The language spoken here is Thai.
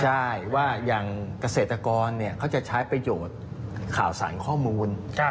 ใช่ว่าอย่างเกษตรกรเขาจะใช้ประโยชน์ข่าวสารข้อมูล